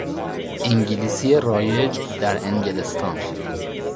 انگلیسی رایج در انگلستان